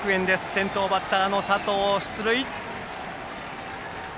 先頭バッターの佐藤が出塁。